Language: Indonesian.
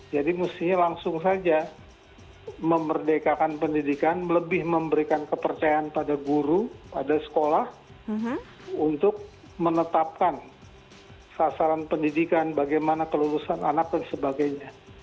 jadi mestinya langsung saja memerdekakan pendidikan lebih memberikan kepercayaan pada guru pada sekolah untuk menetapkan sasaran pendidikan bagaimana kelulusan anak dan sebagainya